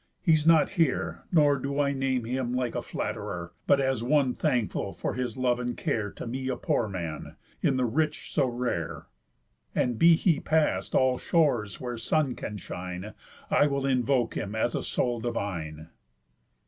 He's not here Nor do I name him like a flatterer, But as one thankful for his love and care To me a poor man; in the rich so rare. And be he past all shores where sun can shine, I will invoke him as a soul divine."